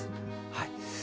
はい。